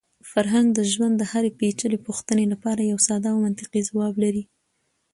فرهنګ د ژوند د هرې پېچلې پوښتنې لپاره یو ساده او منطقي ځواب لري.